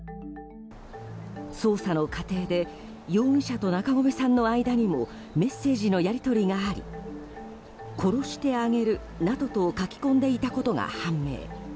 捜査の過程で容疑者と中込さんの間にもメッセージのやり取りがあり殺してあげるなどと書き込んでいたことが判明。